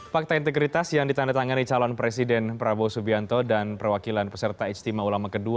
pakta integritas yang ditandatangani calon presiden prabowo subianto dan perwakilan peserta ijtima ulama ii